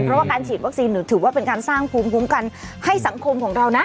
เพราะว่าการฉีดวัคซีนถือว่าเป็นการสร้างภูมิคุ้มกันให้สังคมของเรานะ